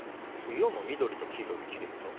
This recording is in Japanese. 色も緑と黄色できれいでしょ。